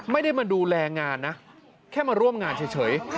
ไม่ได้มาดูแลงานนะแค่มาร่วมงานเฉย